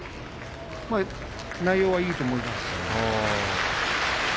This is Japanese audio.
内容はいいと思います。